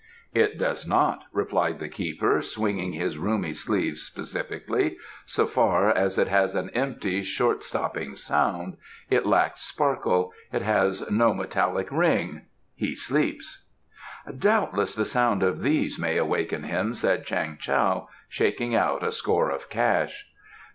"It does not," replied the keeper, swinging his roomy sleeve specifically. "So far it has an empty, short stopping sound. It lacks sparkle; it has no metallic ring. ... He sleeps." "Doubtless the sound of these may awaken him," said Chang Tao, shaking out a score of cash.